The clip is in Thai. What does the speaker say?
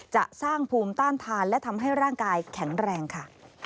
จะสร้างภูมิต้านทานและทำให้ร่างกายแข็งแรงค่ะ